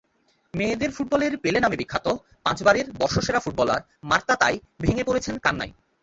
মেয়েদের ফুটবলের পেলে নামে বিখ্যাত, পাঁচবারের বর্ষসেরা ফুটবলার মার্তা তাই ভেঙে পড়েছেন কান্নায়।